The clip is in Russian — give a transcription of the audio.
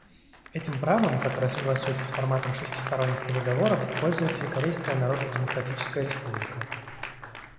Этим правом, которое согласуется с форматом шестисторонних переговоров, пользуется и Корейская Народно-Демократическая Республика.